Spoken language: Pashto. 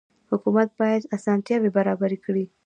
حکومت باید اسانتیاوې برابرې کړي.